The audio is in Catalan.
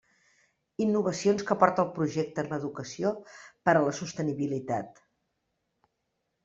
Innovacions que aporta el projecte en l'educació per a la sostenibilitat.